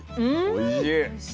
おいしい。